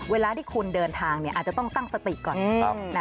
เวลาที่คุณเดินทางอาจจะต้องตั้งสติก่อน